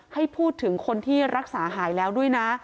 ให้พูดถึงคนที่รักษาหายแล้วด้วยนะ